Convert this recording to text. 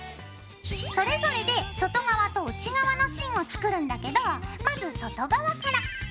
それぞれで外側と内側の芯を作るんだけどまず外側から。